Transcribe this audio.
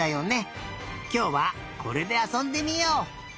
きょうはこれであそんでみよう。